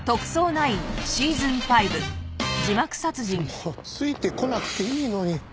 もうついて来なくていいのに。